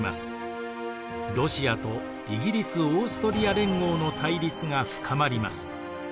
ロシアとイギリスオーストリア連合の対立が深まります。